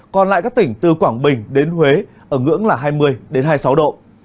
còn lại các tỉnh từ quảng bình đến huế ở ngưỡng là hai mươi hai mươi sáu độ